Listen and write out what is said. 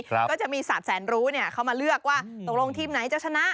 ก็จะมีสัตว์แสนรู้เข้ามาเลือกว่าตกลงทีมไหนจะชนะ